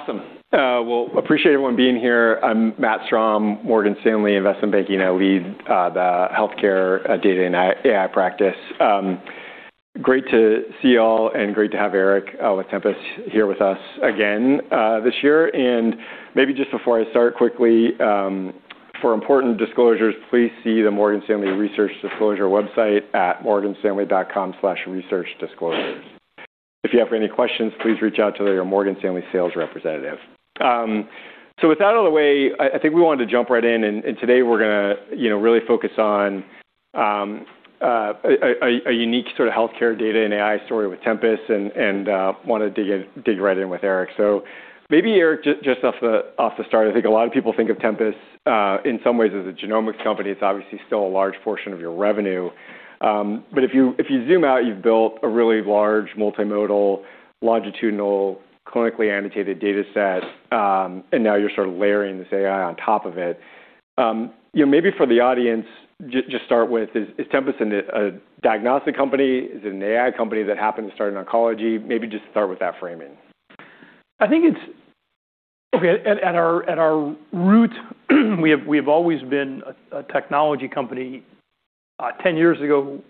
Awesome. Well, appreciate everyone being here. I'm Matthew Strom, Morgan Stanley Investment Banking. I lead the healthcare data and AI practice. Great to see you all and great to have Eric with Tempus here with us again this year. Maybe just before I start quickly, for important disclosures, please see the Morgan Stanley Research Disclosure website at morganstanley.com/researchdisclosures. If you have any questions, please reach out to your Morgan Stanley sales representative. With that out of the way, I think we wanted to jump right in, and today we're gonna, you know, really focus on a unique sort of healthcare data and AI story with Tempus and wanna dig right in with Eric. Maybe, Eric, just off the, off the start, I think a lot of people think of Tempus in some ways as a genomics company. It's obviously still a large portion of your revenue. If you, if you zoom out, you've built a really large multimodal, longitudinal, clinically annotated dataset, and now you're sort of layering this AI on top of it. You know, maybe for the audience, just start with is Tempus a diagnostic company? Is it an AI company that happened to start in oncology? Maybe just start with that framing. At our root we've always been a technology company. 10 years ago,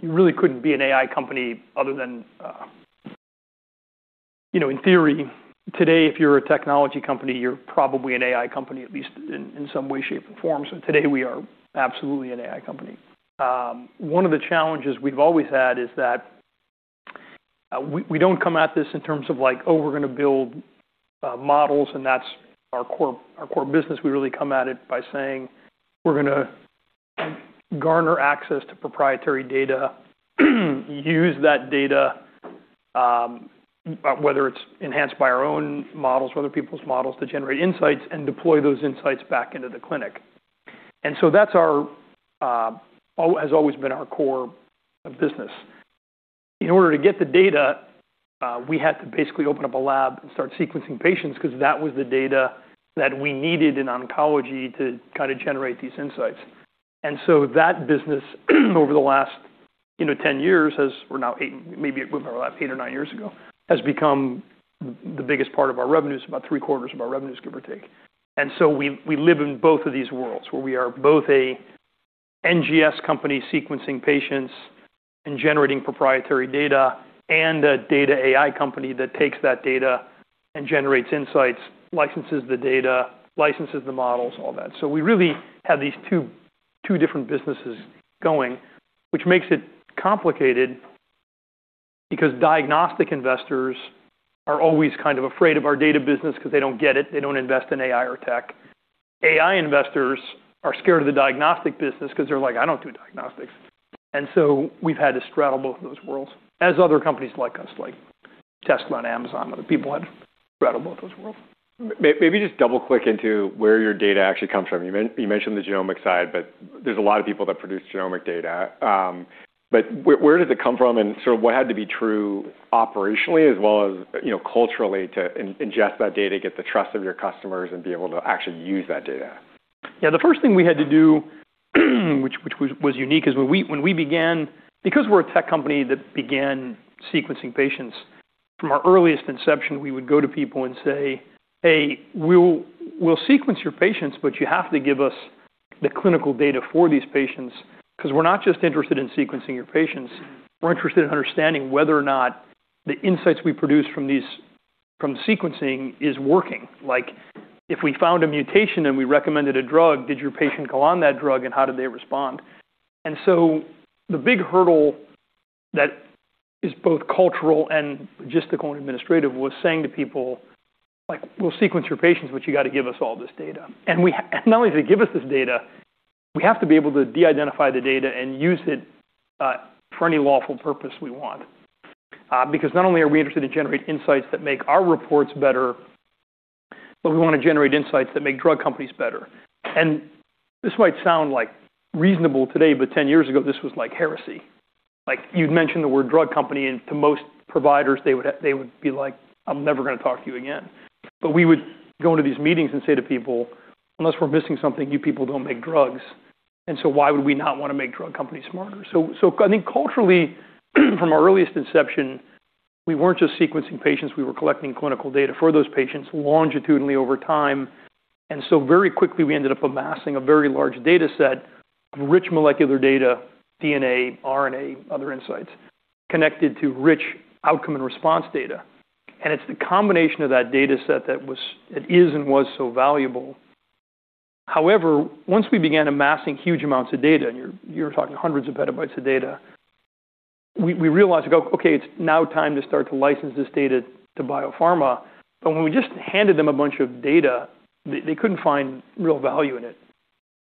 you really couldn't be an AI company other than, you know, in theory. Today, if you're a technology company, you're probably an AI company, at least in some way, shape, or form. Today we are absolutely an AI company. One of the challenges we've always had is that we don't come at this in terms of like, "Oh, we're gonna build models, and that's our core business." We really come at it by saying, "We're gonna garner access to proprietary data use that data, whether it's enhanced by our own models or other people's models to generate insights and deploy those insights back into the clinic." That's our has always been our core business. In order to get the data, we had to basically open up a lab and start sequencing patients 'cause that was the data that we needed in oncology to kinda generate these insights. That business over the last, you know, 10 years has... We're now eight or nine years ago, has become the biggest part of our revenues, about three-quarters of our revenues, give or take. We live in both of these worlds, where we are both a NGS company sequencing patients and generating proprietary data and a data AI company that takes that data and generates insights, licenses the data, licenses the models, all that. We really have these two different businesses going, which makes it complicated because diagnostic investors are always kind of afraid of our data business 'cause they don't get it. They don't invest in AI or tech. AI investors are scared of the diagnostic business 'cause they're like, "I don't do diagnostics." We've had to straddle both of those worlds, as other companies like us, like Tesla and Amazon, other people have straddled both those worlds. Maybe just double-click into where your data actually comes from. You mentioned the genomic side, but there's a lot of people that produce genomic data. Where does it come from and sort of what had to be true operationally as well as, you know, culturally to inject that data, get the trust of your customers, and be able to actually use that data? Yeah, the first thing we had to do, which was unique, is when we began... Because we're a tech company that began sequencing patients, from our earliest inception, we would go to people and say, "Hey, we'll sequence your patients, but you have to give us the clinical data for these patients 'cause we're not just interested in sequencing your patients. We're interested in understanding whether or not the insights we produce from sequencing is working. Like, if we found a mutation and we recommended a drug, did your patient go on that drug, and how did they respond?" The big hurdle that is both cultural and logistical and administrative was saying to people like, "We'll sequence your patients, but you gotta give us all this data." We not only to give us this data, we have to be able to de-identify the data and use it for any lawful purpose we want. Because not only are we interested to generate insights that make our reports better, but we wanna generate insights that make drug companies better. This might sound like reasonable today, but 10 years ago, this was like heresy. Like, you'd mention the word drug company, to most providers, they would be like, "I'm never gonna talk to you again." We would go into these meetings and say to people, "Unless we're missing something, you people don't make drugs, why would we not wanna make drug companies smarter?" I think culturally from our earliest inception, we weren't just sequencing patients, we were collecting clinical data for those patients longitudinally over time. Very quickly we ended up amassing a very large dataset of rich molecular data, DNA, RNA, other insights, connected to rich outcome and response data. It's the combination of that dataset that it is and was so valuable. Once we began amassing huge amounts of data, you're talking hundreds of petabytes of data, we realized to go, "Okay, it's now time to start to license this data to biopharma." When we just handed them a bunch of data, they couldn't find real value in it.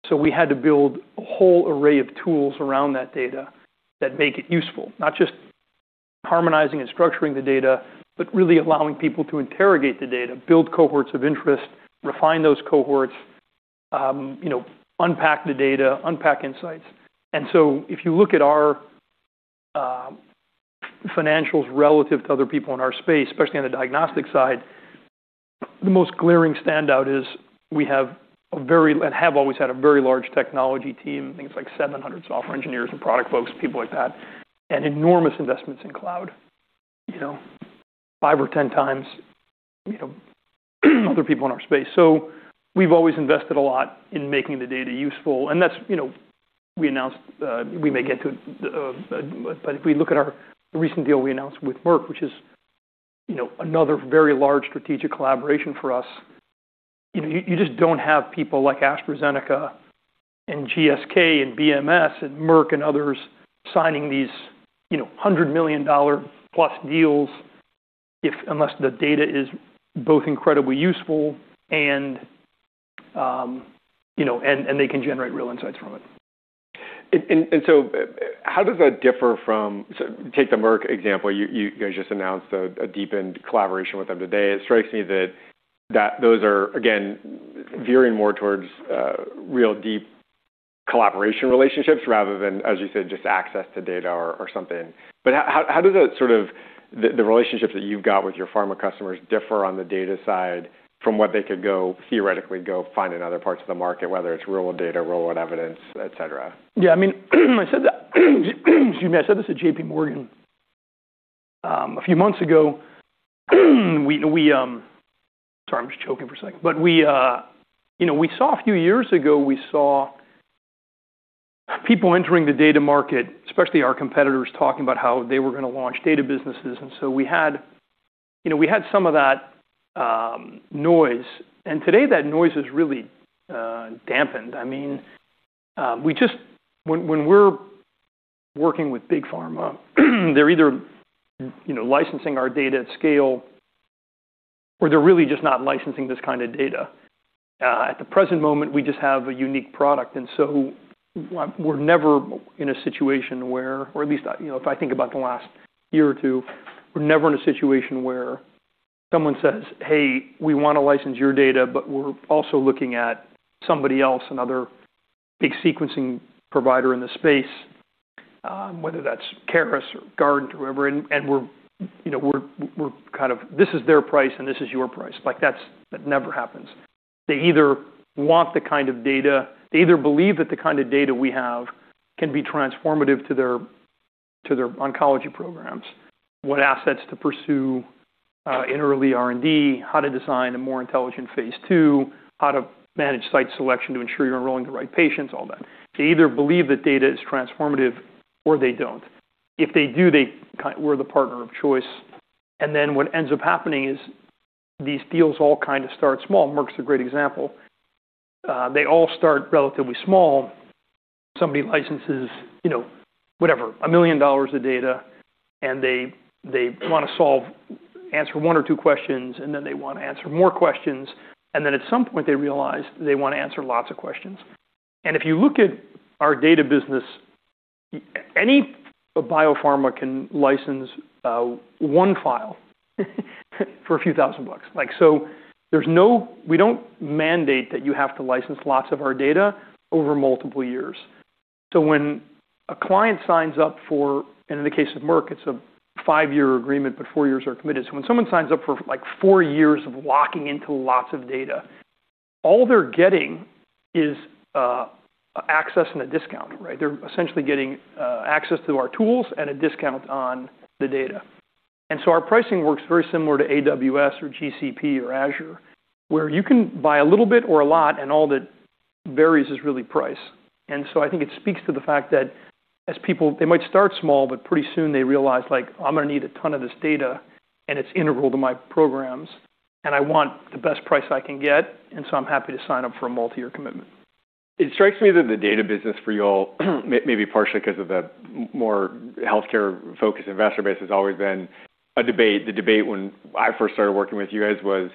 We had to build a whole array of tools around that data that make it useful. Not just harmonizing and structuring the data, but really allowing people to interrogate the data, build cohorts of interest, refine those cohorts, you know, unpack the data, unpack insights. If you look at our financials relative to other people in our space, especially on the diagnostic side. The most glaring standout is we have a very, and have always had a very large technology team, things like 700 software engineers and product folks, people like that, and enormous investments in cloud, you know, five or 10 times, you know, other people in our space. We've always invested a lot in making the data useful. That's, you know, we announced, we may get to, if we look at our recent deal we announced with Merck, which is, you know, another very large strategic collaboration for us, you know, you just don't have people like AstraZeneca and GSK and BMS and Merck and others signing these, you know, $100 million plus deals unless the data is both incredibly useful and, you know, and they can generate real insights from it. How does that differ from? Take the Merck example, you guys just announced a deepened collaboration with them today. It strikes me that those are again veering more towards real deep collaboration relationships rather than, as you said, just access to data or something. How does that sort of the relationships that you've got with your pharma customers differ on the data side from what they could go, theoretically go find in other parts of the market, whether it's real data, real world evidence, et cetera? Yeah, I mean, I said that excuse me, I said this at JPMorgan, a few months ago. Sorry, I'm just choking for a second. We, you know, we saw a few years ago, we saw people entering the data market, especially our competitors, talking about how they were gonna launch data businesses. We had, you know, we had some of that noise, and today that noise has really, dampened. I mean, we just when we're working with big pharma, they're either, you know, licensing our data at scale or they're really just not licensing this kind of data. At the present moment, we just have a unique product. We're never in a situation where at least, you know, if I think about the last year or two, we're never in a situation where someone says, "Hey, we wanna license your data, but we're also looking at somebody else, another big sequencing provider in the space," whether that's Caris or Guardant or whoever, and we're, you know, we're kind of, this is their price and this is your price. Like that's, that never happens. They either believe that the kind of data we have can be transformative to their oncology programs, what assets to pursue, in early R&D, how to design a more intelligent phase two, how to manage site selection to ensure you're enrolling the right patients, all that. They either believe the data is transformative or they don't. If they do, we're the partner of choice. What ends up happening is these deals all kind of start small. Merck's a great example. They all start relatively small. Somebody licenses, you know, whatever, $1 million of data, they wanna solve, answer one or two questions, they wanna answer more questions, at some point they realize they wanna answer lots of questions. If you look at our data business, any biopharma can license 1 file for a few thousand bucks. Like, we don't mandate that you have to license lots of our data over multiple years. When a client signs up for, in the case of Merck, it's a five-year agreement, but four years are committed. When someone signs up for like four years of locking into lots of data, all they're getting is access and a discount, right? They're essentially getting access to our tools and a discount on the data. Our pricing works very similar to AWS or GCP or Azure, where you can buy a little bit or a lot and all that varies is really price. I think it speaks to the fact that as people, they might start small, but pretty soon they realize, like, I'm gonna need a ton of this data and it's integral to my programs, and I want the best price I can get, and so I'm happy to sign up for a multi-year commitment. It strikes me that the data business for y'all may be partially 'cause of the more healthcare-focused investor base has always been a debate. The debate when I first started working with you guys was,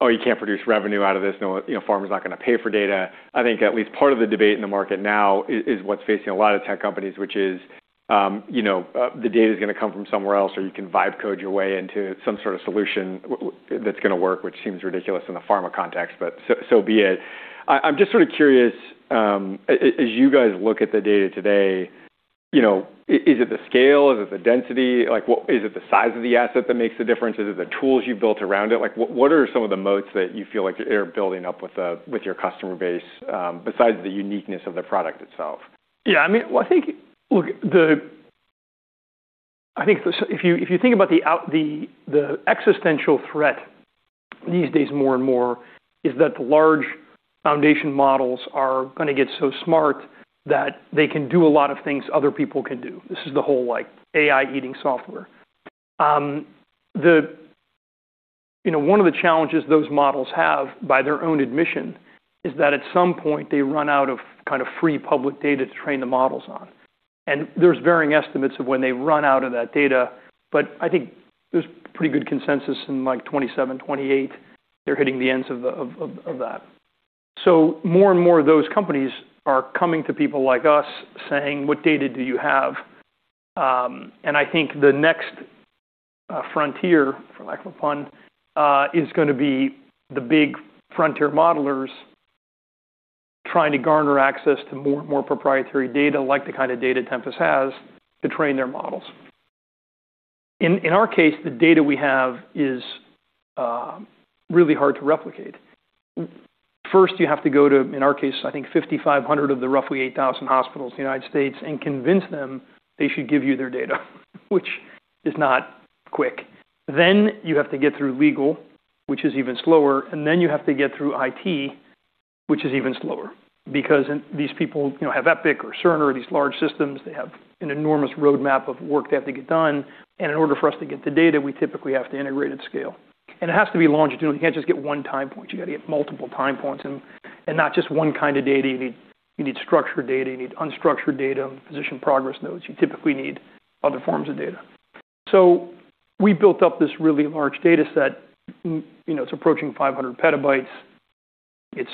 oh, you can't produce revenue out of this. No, you know, pharma's not gonna pay for data. I think at least part of the debate in the market now is what's facing a lot of tech companies, which is, you know, the data's gonna come from somewhere else, or you can vibe code your way into some sort of solution that's gonna work, which seems ridiculous in the pharma context, but so be it. I'm just sort of curious, as you guys look at the data today, you know, is it the scale? Is it the density? Like, what? Is it the size of the asset that makes the difference? Is it the tools you've built around it? Like what are some of the moats that you feel like you're building up with your customer base, besides the uniqueness of the product itself? Yeah, I mean, well, I think, look, I think if you, if you think about the existential threat these days more and more is that the large foundation models are gonna get so smart that they can do a lot of things other people can do. This is the whole like AI eating software. You know, one of the challenges those models have, by their own admission, is that at some point they run out of kind of free public data to train the models on. There's varying estimates of when they run out of that data, but I think there's pretty good consensus in like 2027, 2028, they're hitting the ends of that. More and more of those companies are coming to people like us saying, "What data do you have?" And I think the next frontier, for lack of a pun, is gonna be the big frontier modelers trying to garner access to more and more proprietary data like the kind of data Tempus has to train their models. In our case, the data we have is really hard to replicate. First, you have to go to, in our case, I think 5,500 of the roughly 8,000 hospitals in the United States and convince them they should give you their data which is not quick. You have to get through legal, which is even slower, and then you have to get through IT, which is even slower because these people, you know, have Epic or Cerner, these large systems, they have an enormous roadmap of work they have to get done. In order for us to get the data, we typically have to integrate at scale. It has to be longitudinal. You can't just get one time point. You got to get multiple time points and not just one kind of data. You need, you need structured data, you need unstructured data, physician progress notes. You typically need other forms of data. We built up this really large data set. You know, it's approaching 500 petabytes. It's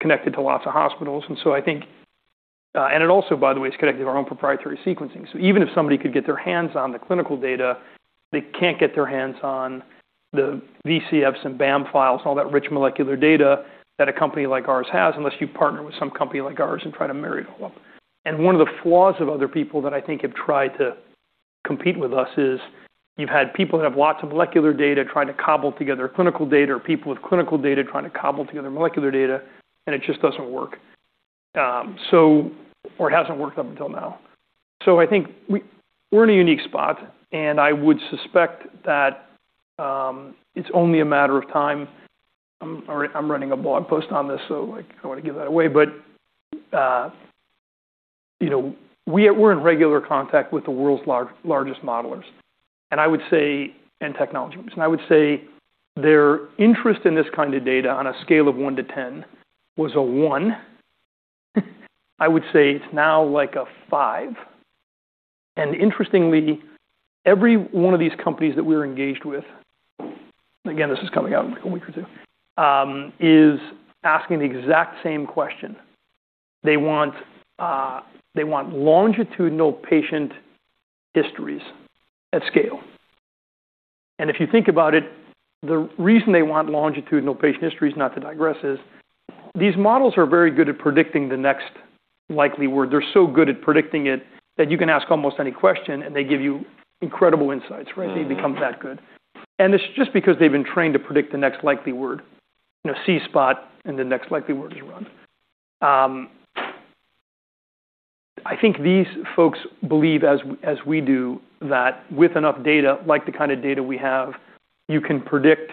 connected to lots of hospitals. It also, by the way, is connected to our own proprietary sequencing. Even if somebody could get their hands on the clinical data, they can't get their hands on the VCFs and BAM files, all that rich molecular data that a company like ours has, unless you partner with some company like ours and try to marry it all up. One of the flaws of other people that I think have tried to compete with us is you've had people who have lots of molecular data trying to cobble together clinical data or people with clinical data trying to cobble together molecular data, and it just doesn't work. Or it hasn't worked up until now. I think we're in a unique spot, and I would suspect that it's only a matter of time. I'm writing a blog post on this, so I don't want to give that away. You know, we're in regular contact with the world's largest modelers and technology. I would say their interest in this kind of data on a scale of one to 10 was a one. I would say it's now like a five. Interestingly, every one of these companies that we're engaged with, again, this is coming out in like a week or two, is asking the exact same question. They want longitudinal patient histories at scale. If you think about it, the reason they want longitudinal patient histories, not to digress, is these models are very good at predicting the next likely word. They're so good at predicting it that you can ask almost any question and they give you incredible insights, right? Mm-hmm. They become that good. And it's just because they've been trained to predict the next likely word. You know, see spot, and the next likely word is run. I think these folks believe as we do that with enough data, like the kind of data we have, you can predict,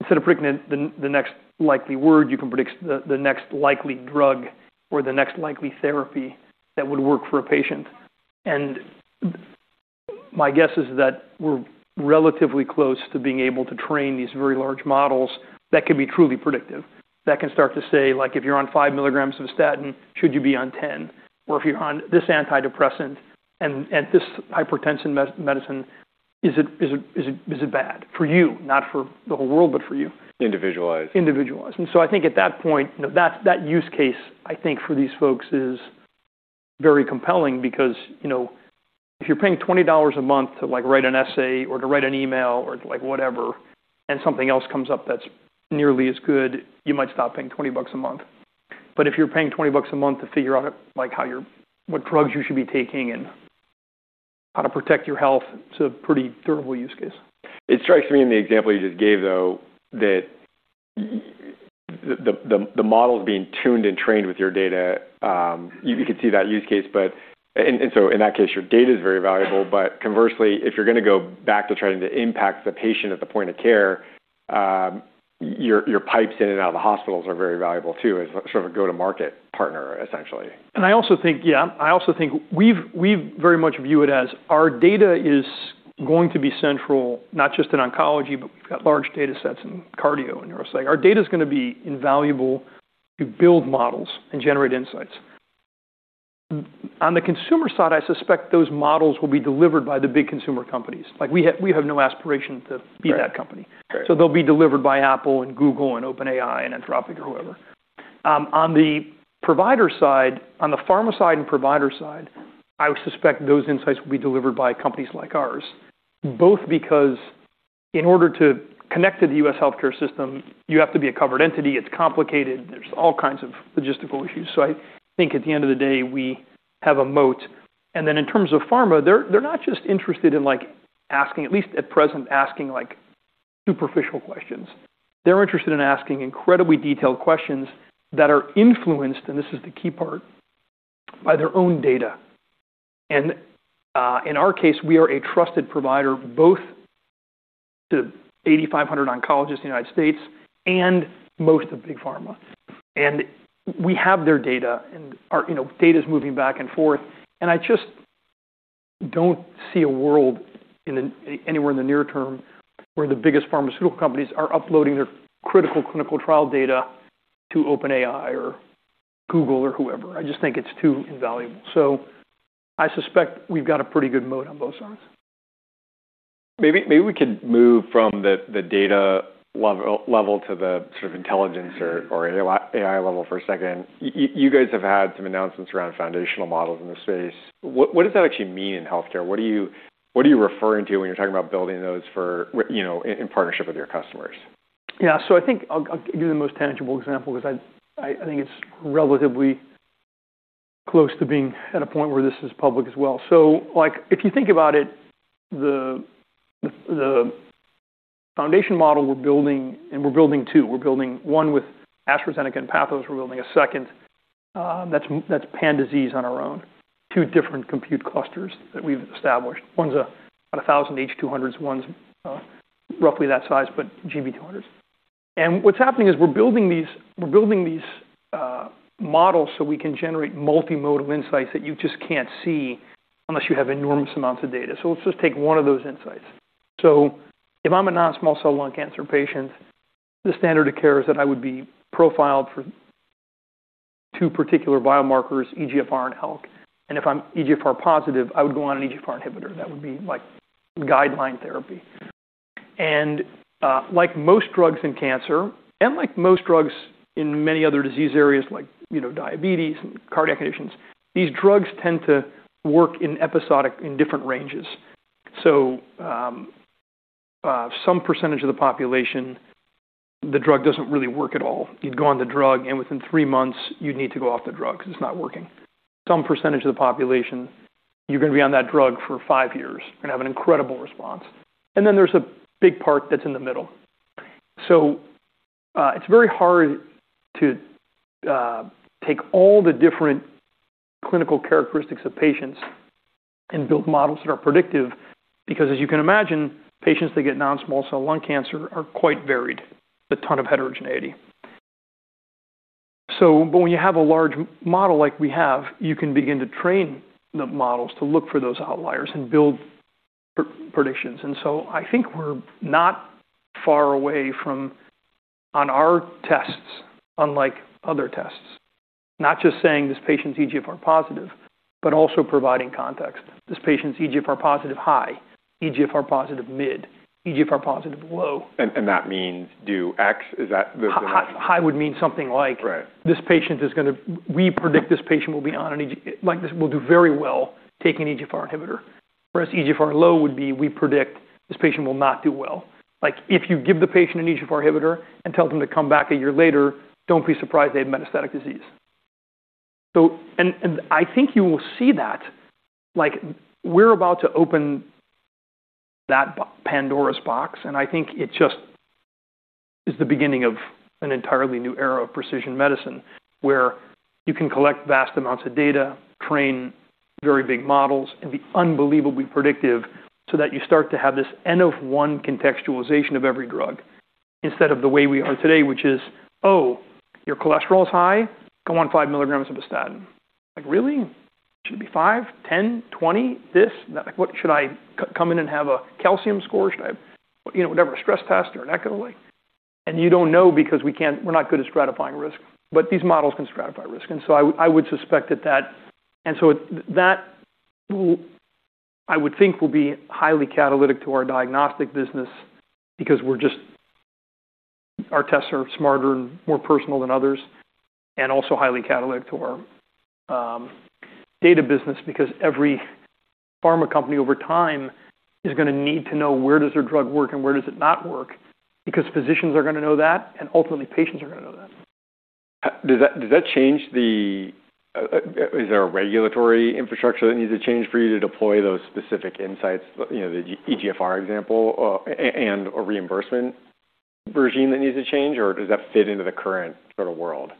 instead of predicting the next likely word, you can predict the next likely drug or the next likely therapy that would work for a patient. My guess is that we're relatively close to being able to train these very large models that can be truly predictive, that can start to say, like, if you're on 5 mg of statin, should you be on 10? Or if you're on this antidepressant and this hypertension medicine, is it bad for you? Not for the whole world, but for you. Individualized. Individualized. I think at that point, you know, that use case, I think for these folks is very compelling because, you know, if you're paying $20 a month to like, write an essay or to write an email or like whatever, and something else comes up that's nearly as good, you might stop paying $20 a month. If you're paying $20 a month to figure out, like, how you're what drugs you should be taking and how to protect your health, it's a pretty durable use case. It strikes me in the example you just gave, though, that the model is being tuned and trained with your data. You could see that use case, but, and so in that case, your data is very valuable. Conversely, if you're gonna go back to trying to impact the patient at the point of care, your pipes in and out of the hospitals are very valuable too, as sort of a go-to-market partner, essentially. I also think we've very much view it as our data is going to be central, not just in oncology, but we've got large data sets in cardio and neurosurgery. Our data is going to be invaluable to build models and generate insights. On the consumer side, I suspect those models will be delivered by the big consumer companies. Like, we have no aspiration to be that company. Right. Right. They'll be delivered by Apple and Google and OpenAI and Anthropic or whoever. On the provider side, on the pharma side and provider side, I would suspect those insights will be delivered by companies like ours, both because in order to connect to the U.S. healthcare system, you have to be a covered entity. It's complicated. There's all kinds of logistical issues. I think at the end of the day, we have a moat. In terms of pharma, they're not just interested in like asking, at least at present, asking like superficial questions. They're interested in asking incredibly detailed questions that are influenced, and this is the key part, by their own data. In our case, we are a trusted provider both to 8,500 oncologists in the U.S. and most of big pharma. We have their data and our, you know, data is moving back and forth. I just don't see a world anywhere in the near term where the biggest pharmaceutical companies are uploading their critical clinical trial data to OpenAI or Google or whoever. I just think it's too invaluable. I suspect we've got a pretty good moat on both sides. Maybe we could move from the data level to the sort of intelligence or AI level for a second. You guys have had some announcements around foundation models in this space. What does that actually mean in healthcare? What are you referring to when you're talking about building those for, you know, in partnership with your customers? I think I'll give you the most tangible example because I think it's relatively close to being at a point where this is public as well. Like, if you think about it, the foundation model we're building and we're building two, we're building one with AstraZeneca and Pathos AI, we're building a second that's pan-disease on our own. Two different compute clusters that we've established. One's about 1,000 H200s, one's roughly that size, but GB200s. What's happening is we're building these models so we can generate multimodal insights that you just can't see unless you have enormous amounts of data. Let's just take one of those insights. If I'm a non-small cell lung cancer patient, the standard of care is that I would be profiled for two particular biomarkers, EGFR and ALK. If I'm EGFR positive, I would go on an EGFR inhibitor. That would be like guideline therapy. Like most drugs in cancer, and like most drugs in many other disease areas like, you know, diabetes and cardiac conditions, these drugs tend to work in episodic in different ranges. Some percentage of the population, the drug doesn't really work at all. You'd go on the drug, and within three months you'd need to go off the drug 'cause it's not working. Some percentage of the population, you're gonna be on that drug for five years and have an incredible response. There's a big part that's in the middle. It's very hard to take all the different clinical characteristics of patients and build models that are predictive because as you can imagine, patients that get non-small cell lung cancer are quite varied with a ton of heterogeneity. When you have a large model like we have, you can begin to train the models to look for those outliers and build predictions. I think we're not far away from on our tests, unlike other tests, not just saying this patient's EGFR positive, but also providing context. This patient's EGFR positive high, EGFR positive mid, EGFR positive low. That means do X? Is that high would mean something like... Right... this patient is gonna... we predict this patient will be on an EGFR inhibitor. Like this will do very well taking an EGFR inhibitor. Whereas EGFR low would be, we predict this patient will not do well. Like, if you give the patient an EGFR inhibitor and tell them to come back a year later, don't be surprised they have metastatic disease. And I think you will see that, like we're about to open that Pandora's box, and I think it just is the beginning of an entirely new era of precision medicine where you can collect vast amounts of data, train very big models, and be unbelievably predictive so that you start to have this N of one contextualization of every drug instead of the way we are today, which is, "Oh, your cholesterol is high. Go on 5 mg of a statin." Like, really? Should it be five, 10, 20, this? Like, what should I come in and have a calcium score? Should I have, you know, whatever, a stress test or an echo, like... You don't know because we're not good at stratifying risk, but these models can stratify risk. I would suspect that. That will, I would think, will be highly catalytic to our diagnostic business because we're just. Our tests are smarter and more personal than others, and also highly catalytic to our data business because every pharma company over time is gonna need to know where does their drug work and where does it not work, because physicians are gonna know that, and ultimately patients are gonna know that. Does that change the, is there a regulatory infrastructure that needs to change for you to deploy those specific insights? You know, the EGFR example, and a reimbursement regime that needs to change, or does that fit into the current sort of world?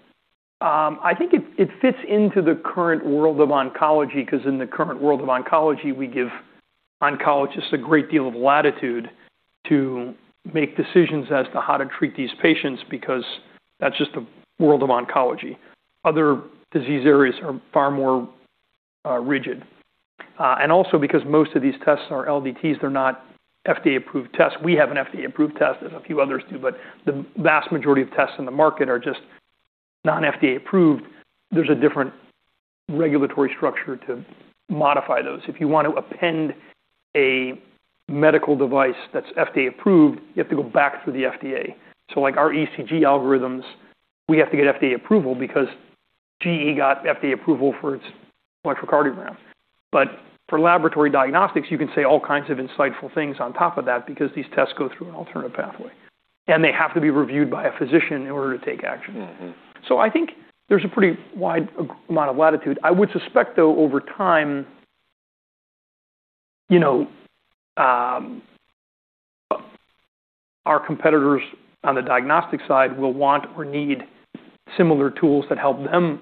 I think it fits into the current world of oncology 'cause in the current world of oncology, we give oncologists a great deal of latitude to make decisions as to how to treat these patients because that's just the world of oncology. Other disease areas are far more rigid. Also because most of these tests are LDTs, they're not FDA-approved tests. We have an FDA-approved test, and a few others do, but the vast majority of tests in the market are just non-FDA approved. There's a different regulatory structure to modify those. If you want to append a medical device that's FDA approved, you have to go back through the FDA. Like our ECG algorithms, we have to get FDA approval because GE got FDA approval for its electrocardiogram. For laboratory diagnostics, you can say all kinds of insightful things on top of that because these tests go through an alternative pathway, and they have to be reviewed by a physician in order to take action. Mm-hmm. I think there's a pretty wide amount of latitude. I would suspect, though, over time, you know, our competitors on the diagnostic side will want or need similar tools that help them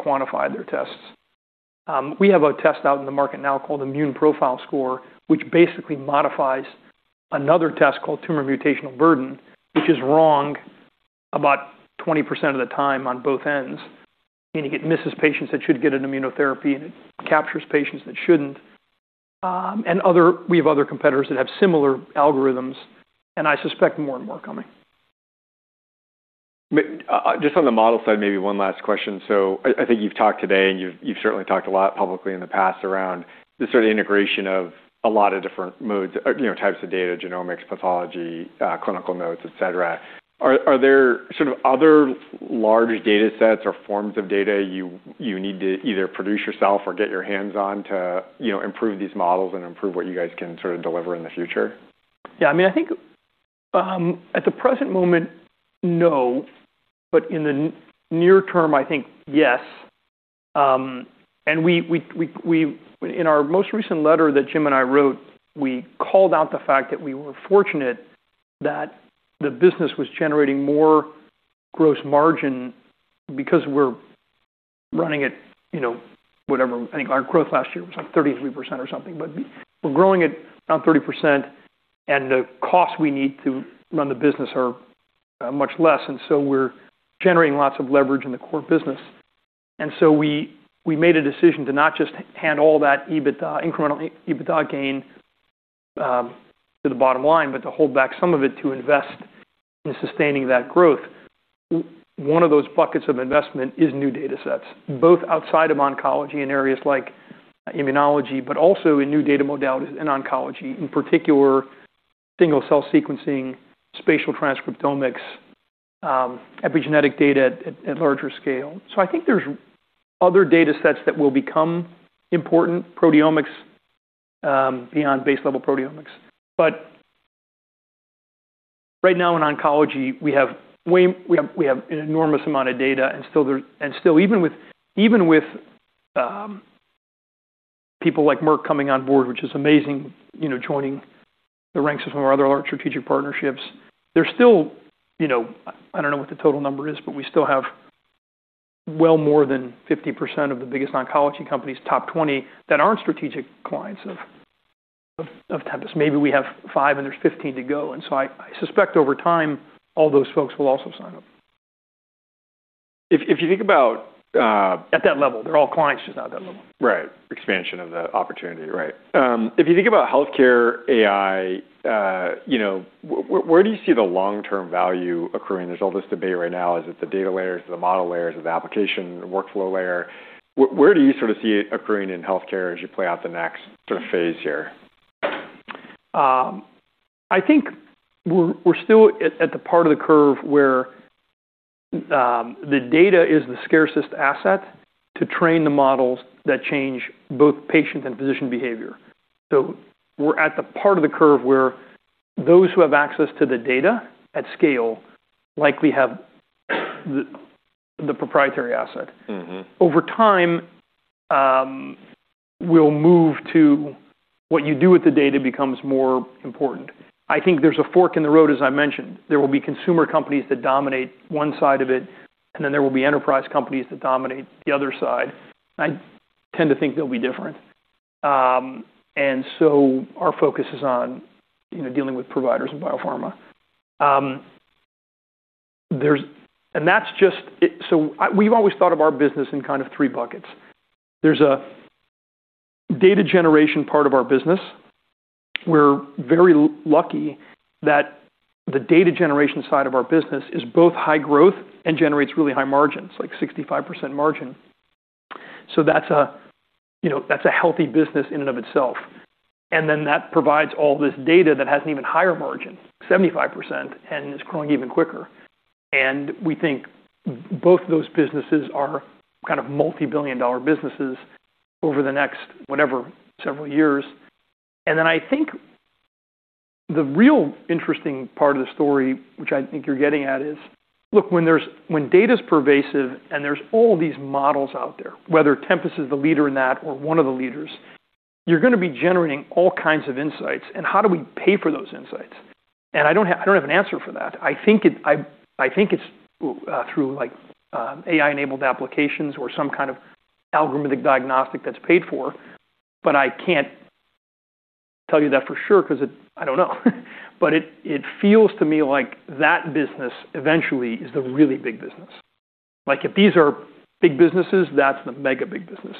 quantify their tests. We have a test out in the market now called Immune Profile Score, which basically modifies another test called Tumor Mutational Burden, which is wrong about 20% of the time on both ends, meaning it misses patients that should get an immunotherapy and it captures patients that shouldn't. We have other competitors that have similar algorithms, I suspect more and more coming. Just on the model side, maybe one last question. I think you've talked today and you've certainly talked a lot publicly in the past around the sort of integration of a lot of different modes, you know, types of data, genomics, pathology, clinical notes, et cetera. Are there sort of other large data sets or forms of data you need to either produce yourself or get your hands on to, you know, improve these models and improve what you guys can sort of deliver in the future? I mean, at the present moment, no, but in the near term, I think yes. We in our most recent letter that Jim and I wrote, we called out the fact that we were fortunate that the business was generating more gross margin because we're running it, you know, whatever. I think our growth last year was like 33% or something. We're growing at around 30% and the costs we need to run the business are much less. We're generating lots of leverage in the core business. We made a decision to not just hand all that EBITDA, incremental EBITDA gain, to the bottom line, but to hold back some of it to invest in sustaining that growth. One of those buckets of investment is new datasets, both outside of oncology in areas like immunology, but also in new data modalities in oncology, in particular, single-cell sequencing, spatial transcriptomics, epigenetic data at larger scale. I think there's other datasets that will become important, proteomics, beyond base-level proteomics. Right now in oncology, we have an enormous amount of data and still even with people like Merck coming on board, which is amazing, you know, joining the ranks of some of our other large strategic partnerships, there's still, you know, I don't know what the total number is, but we still have well more than 50% of the biggest oncology companies, top 20, that aren't strategic clients of Tempus. Maybe we have five and there's 15 to go. I suspect over time, all those folks will also sign up. If you think about. At that level, they're all clients, just not that level. Right. Expansion of the opportunity, right. If you think about healthcare AI, you know, where do you see the long-term value accruing? There's all this debate right now. Is it the data layers? Is it the model layers? Is it the application workflow layer? Where do you sort of see it accruing in healthcare as you play out the next sort of phase here? I think we're still at the part of the curve where the data is the scarcest asset to train the models that change both patient and physician behavior. We're at the part of the curve where those who have access to the data at scale likely have the proprietary asset. Mm-hmm. Over time, we'll move to what you do with the data becomes more important. I think there's a fork in the road, as I mentioned. There will be consumer companies that dominate one side of it, and then there will be enterprise companies that dominate the other side. I tend to think they'll be different. Our focus is on, you know, dealing with providers in biopharma. There's and that's just it. We've always thought of our business in kind of three buckets. There's a data generation part of our business. We're very lucky that the data generation side of our business is both high growth and generates really high margins, like 65% margin. That's a, you know, that's a healthy business in and of itself. That provides all this data that has an even higher margin, 75%, and is growing even quicker. We think both of those businesses are kind of multi-billion dollar businesses over the next, whatever, several years. I think the real interesting part of the story, which I think you're getting at, is, look, when data is pervasive and there's all these models out there, whether Tempus is the leader in that or one of the leaders, you're gonna be generating all kinds of insights and how do we pay for those insights? I don't have, I don't have an answer for that. I think it, I think it's through like AI-enabled applications or some kind of algorithmic diagnostic that's paid for. I can't tell you that for sure because I don't know. It, it feels to me like that business eventually is the really big business. Like, if these are big businesses, that's the mega big business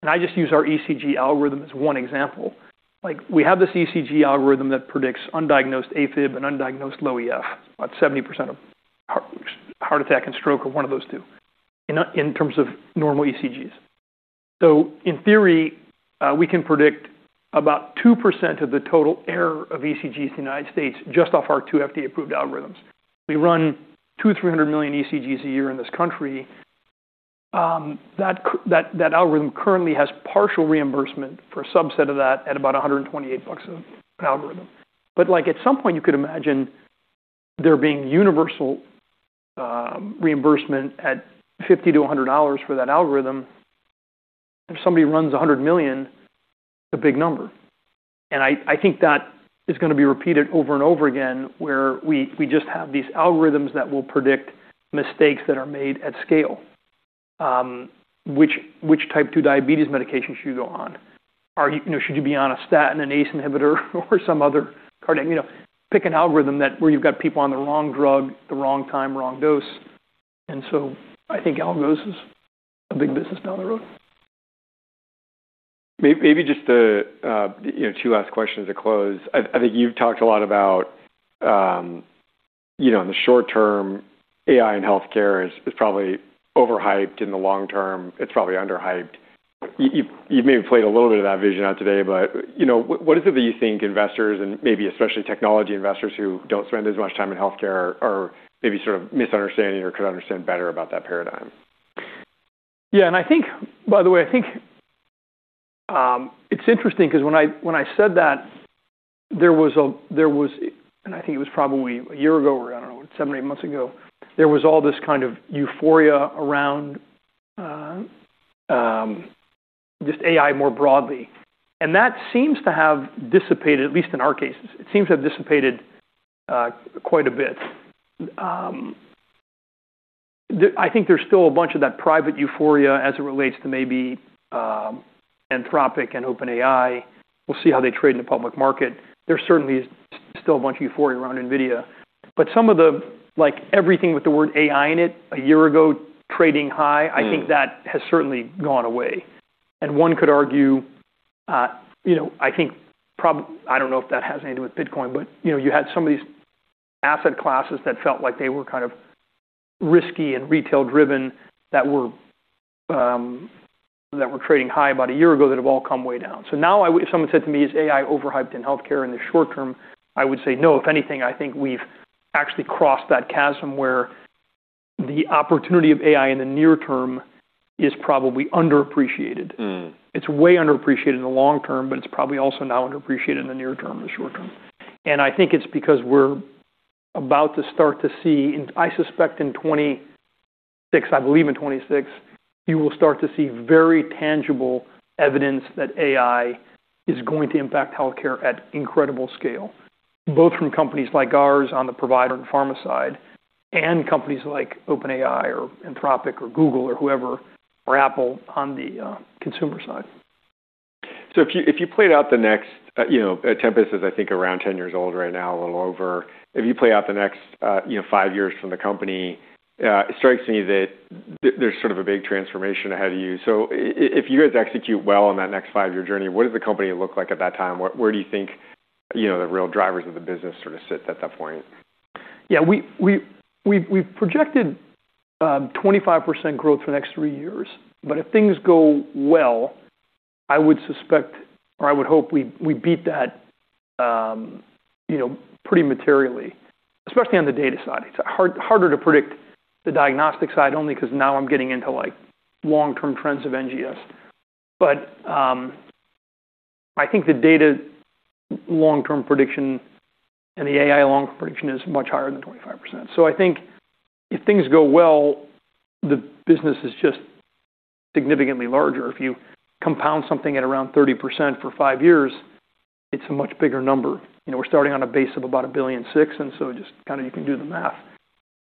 and I just use our ECG algorithm as one example. Like, we have this ECG algorithm that predicts undiagnosed AFib and undiagnosed low EF. About 70% of heart attack and stroke are one of those two in terms of normal ECGs. In theory, we can predict about 2% of the total error of ECGs in the United States just off our two FDA-approved algorithms. We run 200 million ECGs a year in this country. That algorithm currently has partial reimbursement for a subset of that at about $128 an algorithm. Like, at some point, you could imagine there being universal reimbursement at $50-$100 for that algorithm. If somebody runs $100 million, it's a big number. I think that is gonna be repeated over and over again, where we just have these algorithms that will predict mistakes that are made at scale. Which type two diabetes medication should you go on? You know, should you be on a statin, an ACE inhibitor, or some other cardiac... You know, pick an algorithm that where you've got people on the wrong drug, the wrong time, wrong dose. I think algos is a big business down the road. Maybe just the, you know, two last questions to close. I think you've talked a lot about, you know, in the short term, AI in healthcare is probably overhyped. In the long term, it's probably underhyped. You've maybe played a little bit of that vision out today, but, you know, what is it that you think investors and maybe especially technology investors who don't spend as much time in healthcare are maybe sort of misunderstanding or could understand better about that paradigm? Yeah. I think, by the way, I think it's interesting 'cause when I, when I said that, there was, and I think it was probably a year ago or, I don't know, seven or eight months ago, there was all this kind of euphoria around just AI more broadly. That seems to have dissipated, at least in our cases, it seems to have dissipated quite a bit. I think there's still a bunch of that private euphoria as it relates to maybe Anthropic and OpenAI. We'll see how they trade in the public market. There certainly is still a bunch of euphoria around NVIDIA. Some of the, like, everything with the word AI in it a year ago trading high-. Mm. I think that has certainly gone away. One could argue, you know, I think I don't know if that has anything with Bitcoin, but, you know, you had some of these asset classes that felt like they were kind of risky and retail driven that were, that were trading high about a year ago that have all come way down. Now if someone said to me, "Is AI overhyped in healthcare in the short term?" I would say, no. If anything, I think we've actually crossed that chasm where the opportunity of AI in the near term is probably underappreciated. Mm. It's way underappreciated in the long term, but it's probably also now underappreciated in the near term, the short term. I think it's because we're about to start to see, and I suspect in 2026, I believe in 2026, you will start to see very tangible evidence that AI is going to impact healthcare at incredible scale, both from companies like ours on the provider and pharma side, and companies like OpenAI or Anthropic or Google or whoever or Apple on the consumer side. If you played out the next, you know, Tempus is, I think, around 10 years old right now, a little over. If you play out the next, you know, five years from the company, it strikes me that there's sort of a big transformation ahead of you. If you guys execute well on that next five-year journey, what does the company look like at that time? Where do you think, you know, the real drivers of the business sort of sit at that point? Yeah. We've projected 25% growth for the next three years. If things go well, I would suspect or I would hope we beat that, you know, pretty materially, especially on the data side. It's harder to predict the diagnostic side only 'cause now I'm getting into, like, long-term trends of NGS. I think the data long-term prediction and the AI long prediction is much higher than 25%. I think if things go well, the business is just significantly larger. If you compound something at around 30% for five years, it's a much bigger number. You know, we're starting on a base of about $1.6 billion, just kinda you can do the math.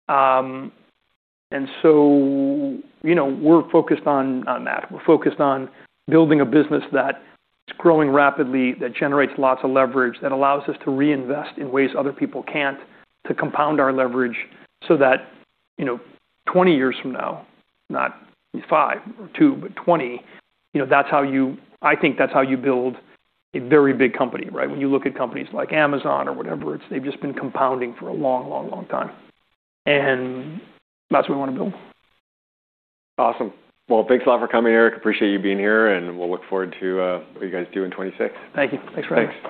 You know, we're focused on that. We're focused on building a business that is growing rapidly, that generates lots of leverage, that allows us to reinvest in ways other people can't to compound our leverage so that, you know, 20 years from now, not five or two, but 20, you know, I think that's how you build a very big company, right? When you look at companies like Amazon or whatever, they've just been compounding for a long, long, long time. That's what we wanna build. Awesome. Well, thanks a lot for coming, Eric. Appreciate you being here, and we'll look forward to what you guys do in 2026. Thank you. Thanks for having me.